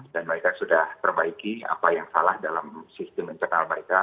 dan mereka sudah perbaiki apa yang salah dalam sistem internal mereka